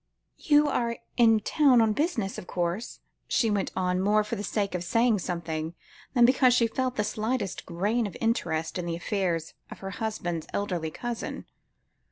"You are in town on business, of course," she went on, more for the sake of saying something, than because she felt the slightest grain of interest in the affairs of her husband's elderly cousin.